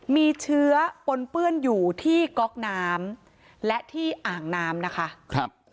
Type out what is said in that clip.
มีเชื้อปนเปื้อนอยู่ที่ก๊อกน้ำและที่อ่างน้ำนะคะครับ